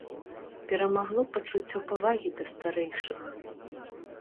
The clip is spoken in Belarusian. Перамагло пачуццё павагі да старэйшых.